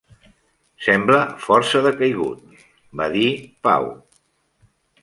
"Sembla força decaigut", va dir Pau.